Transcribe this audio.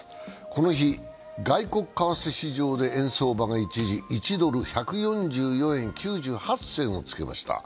この日、外国為替市場で円相場が一時、１ドル＝１４４円９８銭をつけました。